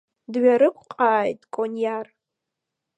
Дҩарықәҟааит Кониар.